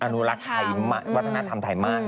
อนุรักษ์วัฒนธรรมไทยมากนะนะ